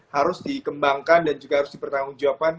harus dikembangkan dan juga harus dipertanggung jawaban